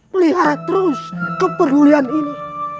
pelihara terus keperluan ini